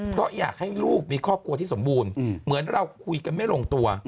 เพราะอยากให้ลูกมีครอบครัวที่สมบูรณ์เหมือนเราคุยกันไม่ลงตัว